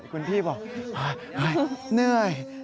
คุณพี่บอกเหนื่อย